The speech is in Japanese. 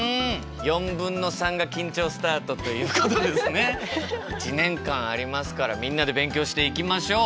3/4が緊張スタートということでですね１年間ありますからみんなで勉強していきましょう。